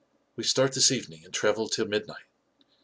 We start this evening and travel till midnight.